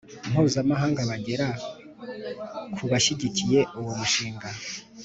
Mpuzamahanga bagera ku bashyigikiye uwo mushinga